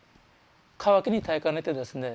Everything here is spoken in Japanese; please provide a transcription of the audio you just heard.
渇きに耐えかねてですね